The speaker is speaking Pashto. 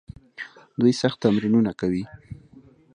دوی سخت تمرینونه کوي.